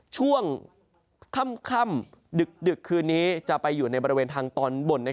ช่วงค่ำดึกคืนนี้จะไปอยู่ในบริเวณทางตอนบน